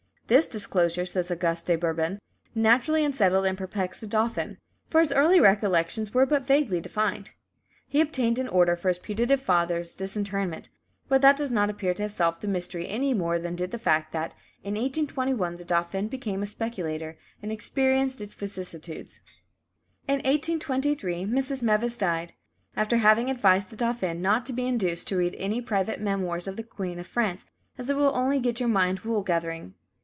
"This disclosure," says "Auguste de Bourbon," "naturally unsettled and perplexed the dauphin, for his early recollections were but vaguely defined." He obtained an order for his putative father's disinterment, but that does not appear to have solved the mystery any more than did the fact that "in 1821 the dauphin became a speculator, and experienced its vicissitudes." In 1823 Mrs. Meves died, after having advised the "dauphin" not to be "induced to read any private memoirs of the queen of France, as it will only set your mind wool gathering."